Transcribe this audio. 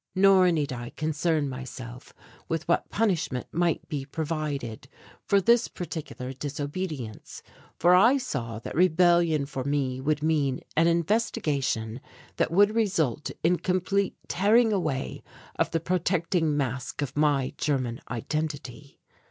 Nor need I concern myself with what punishment might be provided for this particular disobedience for I saw that rebellion for me would mean an investigation that would result in complete tearing away of the protecting mask of my German identity.